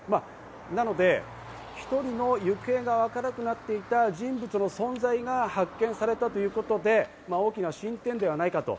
なので、１人の行方がわからなくなっていた人物の存在が発見されたということで、大きな進展ではないかと。